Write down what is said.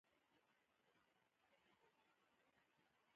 کندهار د افغانستان د اقلیمي نظام ښکارندوی دی.